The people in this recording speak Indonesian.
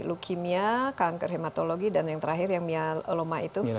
leukemia kanker hematologi dan yang terakhir yang mia oloma itu